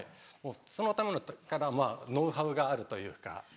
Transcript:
そのためのノウハウがあるというか。